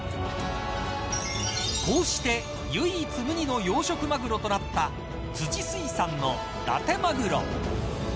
こうして唯一無二の養殖マグロとなった辻水産のだてまぐろ。